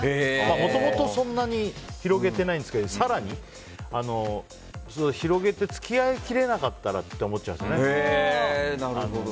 もともとそんなに広げてないんですけど更に、広げて付き合いきれなかったらって思っちゃうんですよね。